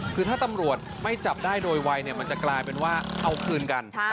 คือถ้าตำรวจไม่จับได้โดยไวเนี่ยมันจะกลายเป็นว่าเอาคืนกัน